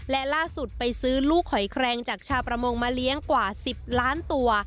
และล่าสุดไปซื้อลูกหอยแครงจากชาวประมงมาเลี้ยงกว่า๑๐ล้านตัว